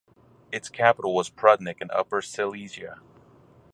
Its capital was Prudnik in Upper Silesia.